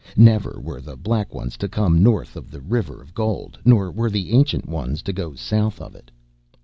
Never were the Black Ones to come north of the River of Gold nor were the Ancient Ones to go south of it.